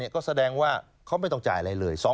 ก็แสดงว่าเขาไม่ต้องจ่ายอะไรเลย